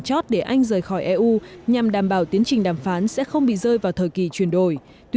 chót để anh rời khỏi eu nhằm đảm bảo tiến trình đàm phán sẽ không bị rơi vào thời kỳ chuyển đổi tuy